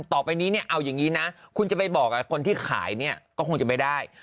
ต่อไปนี้เอาอย่างนี้นะคุณจะไปบอกคนที่ขายก็คงจะไปได้